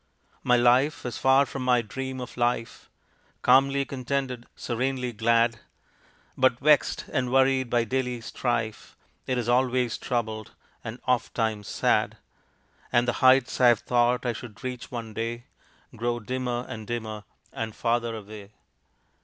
My life is far from my dream of life Calmly contented, serenely glad; But, vexed and worried by daily strife, It is always troubled, and ofttimes sad And the heights I had thought I should reach one day Grow dimmer and dimmer, and farther away.